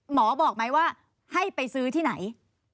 หมอบอกไหมว่าให้ไปซื้อที่ไหน